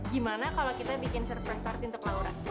gimana kalau kita bikin surprise party untuk laura